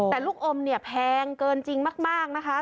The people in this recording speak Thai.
แต่ลูกอมเนี่ยแพงเกินจริงมากนะคะ